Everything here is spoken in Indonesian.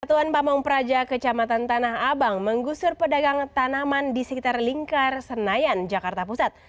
satuan pamung praja kecamatan tanah abang menggusur pedagang tanaman di sekitar lingkar senayan jakarta pusat